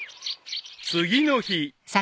［次の日］